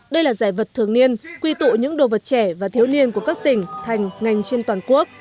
đây là giải vật thường niên quy tụ những đồ vật trẻ và thiếu niên của các tỉnh thành ngành chuyên toàn quốc